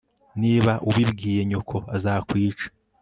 Niba ubibwiye nyoko azakwica